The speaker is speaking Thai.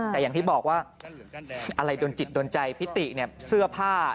แต่อย่างที่บอกว่าอะไรโดนจิตโดนใจพิติเนี่ยเสื้อผ้า